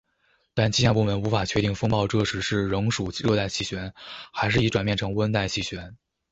但气象部门无法确定风暴这时是仍属热带气旋还是已转变成温带气旋。